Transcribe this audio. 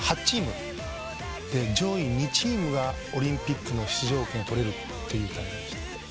上位２チームがオリンピックの出場権を取れるっていう大会でして。